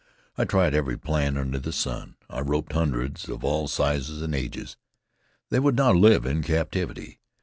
I tried every plan under the sun. I roped hundreds, of all sizes and ages. They would not live in captivity.